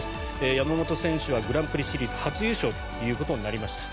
山本選手はグランプリシリーズ初優勝ということになりました。